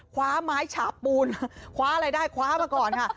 คว้าไม้ฉาบปูนคว้าอะไรได้คว้ามาก่อนค่ะ